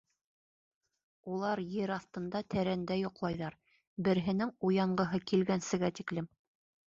Улар ер аҫтында тәрәндә йоҡлайҙар, береһенең уянғыһы килгәнсегә тиклем.